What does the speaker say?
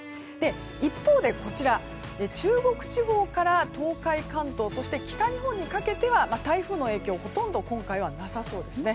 一方で中国地方から東海、関東そして北日本にかけては台風の影響はほとんど今回はなさそうです。